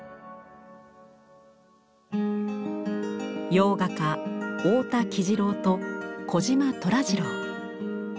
洋画家太田喜二郎と児島虎次郎。